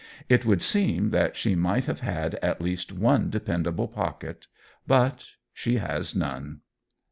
It would seem that she might have had at least one dependable pocket. But she has none.